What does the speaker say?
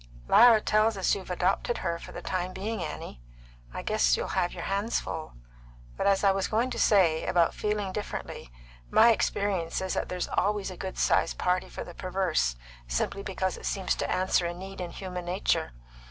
"Lyra tells us you've adopted her for the time being, Annie. I guess you'll have your hands full. But, as I was going to say, about feeling differently, my experience is that there's always a good sized party for the perverse, simply because it seems to answer a need in human nature.